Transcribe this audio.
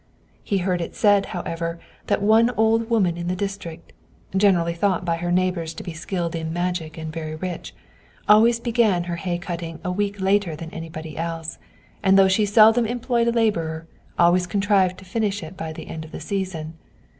He heard it said, however, that one old woman in the district, generally thought by her neighbors to be skilled in magic and very rich, always began her hay cutting a week later than anybody else, and though she seldom employed a laborer, always contrived to finish it by the end of the season.